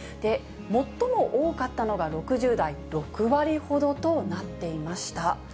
最も多かったのが６０代、６割ほどとなっていました。